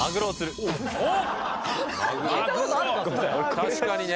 確かにね。